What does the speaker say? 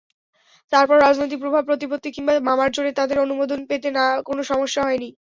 তারপরও রাজনৈতিক প্রভাব–প্রতিপত্তি কিংবা মামার জোরে তাদের অনুমোদন পেতে কোনো সমস্যা হয়নি।